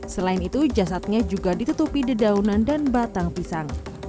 selain itu jasadnya juga ditutupi dedaunan dan batang pisang